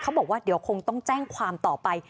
บอกว่าเดี๋ยวคงต้องแจ้งความต่อไป